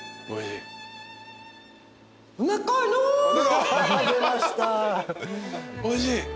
おいしい？